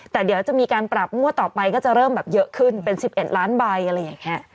แต่เดี๋ยวจะมีการปรับงวดต่อไปก็จะเริ่มแบบเยอะขึ้นเป็น๑๑ล้านใบอะไรอย่างนี้